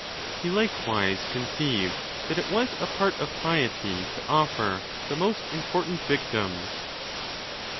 He likewise conceived that it was a part of piety to offer the most impor tant victims.